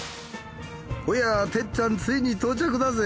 おや哲っちゃんついに到着だぜ。